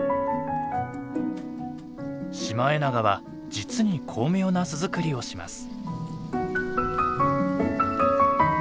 シマエナガは実に巧妙な巣作りをします。